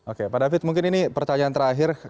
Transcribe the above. oke pak david mungkin ini pertanyaan terakhir kapan kick off